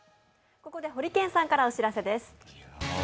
ここでホリケンさんからお知らせです。